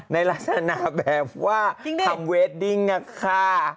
ในลักษณะแบบว่าทำเวดดิ้งอะค่ะ